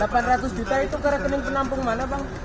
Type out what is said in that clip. delapan ratus juta itu ke rekening penampung mana bang